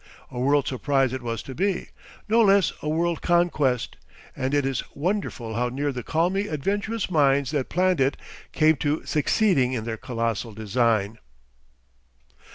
A World Surprise it was to be no less a World Conquest; and it is wonderful how near the calmly adventurous minds that planned it came to succeeding in their colossal design.